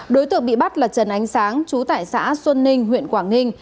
đối tượng bị bắt là trần ánh sáng chú tại xã xuân ninh huyện quảng ninh